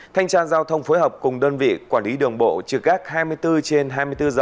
thanh tra giao thông phối hợp cùng đơn vị quản lý đường bộ trừ gác hai mươi bốn trên hai mươi bốn giờ